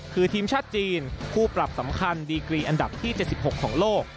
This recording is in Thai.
คือทีมชาติจีนคู่ปรับสำคัญดีกรีอันดับที่๗๖ของโลก